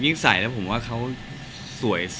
ใส่แล้วผมว่าเขาสวย